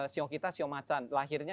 siok kita siomacan lahirnya